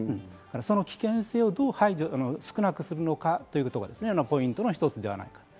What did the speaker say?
その危険性をどう少なくするのかということがポイントの一つではないかと。